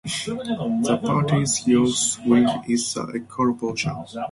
The Party's youth wing is the Ecolojovem.